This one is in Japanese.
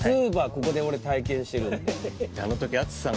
ここで俺体験してるんで。